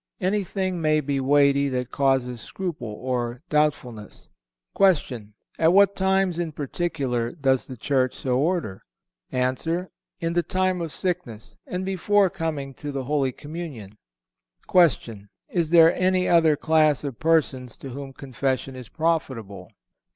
Anything may be weighty that causes scruple or doubtfulness. Q. At what times in particular does the Church so order? A. In the time of sickness, and before coming to the Holy Communion. Q. Is there any other class of persons to whom confession is profitable?